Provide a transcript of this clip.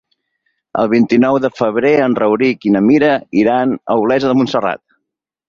El vint-i-nou de febrer en Rauric i na Mira iran a Olesa de Montserrat.